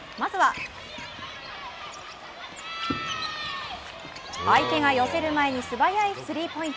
まずは、相手が寄せる前に素早いスリーポイント。